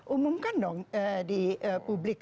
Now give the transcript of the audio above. umumkan dong di publik